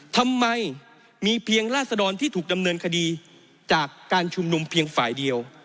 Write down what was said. ทำไมมีเพียงราศดรที่ถูกดำเนินคดีจากการชุมนุมเพียงฝ่ายเดียว